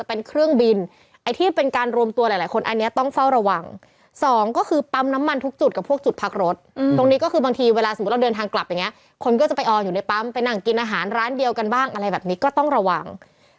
ไปหนังกินอาหารร้านเดียวกันบ้างอะไรแบบนี้ก็ต้องระวัง